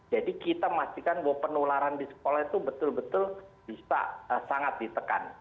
jadi kita memastikan bahwa penularan di sekolah itu betul betul bisa sangat ditekan